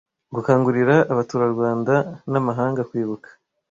gukangurira Abaturarwanda n amahanga Kwibuka